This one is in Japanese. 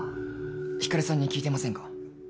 光莉さんに聞いてませんか？